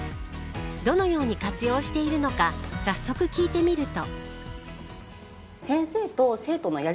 どのように活用しているのか早速聞いてみると。